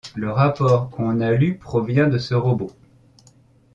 Le rapport qu'on a lu provient de ce robot.